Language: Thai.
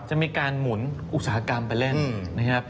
มีการหมุนอุตสาหกรรมไปเล่นนะครับ